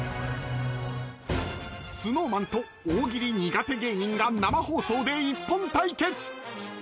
ＳｎｏｗＭａｎと大喜利苦手芸人が生放送でＩＰＰＯＮ対決。